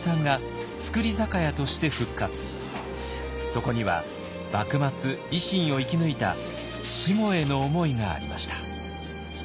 そこには幕末維新を生き抜いたしもへの思いがありました。